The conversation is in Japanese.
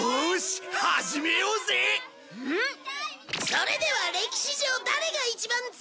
それでは歴史上誰が一番強いのか？